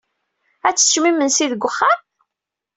Ad teččem imensi deg uxxam?